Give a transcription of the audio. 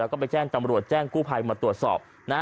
แล้วก็ไปแจ้งตำรวจแจ้งกู้ภัยมาตรวจสอบนะ